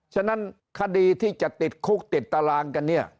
ฉะนั้นคดีที่จะติดคุกติดตารางกันเนี่ย